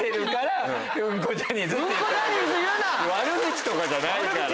悪口とかじゃないから。